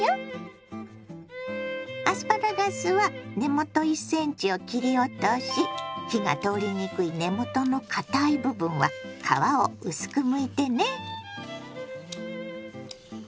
アスパラガスは根元１ｃｍを切り落とし火が通りにくい根元のかたい部分は皮を薄くむいてね。